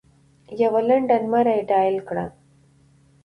یوه لنډه نمره یې ډایل کړه .